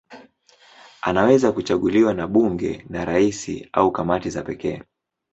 Anaweza kuchaguliwa na bunge, na rais au kamati za pekee.